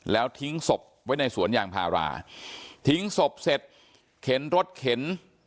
แล้วทิ้งศพไว้ในสวนยางพาราทิ้งศพเสร็จเข็นรถเข็น